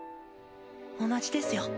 同じですよ